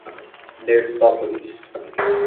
Bertópolis